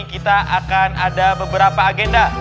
kita akan ada beberapa agenda